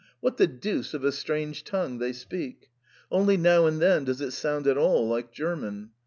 What the deuce of a strange tongue they speak ! Only now and then does it sound at all like German.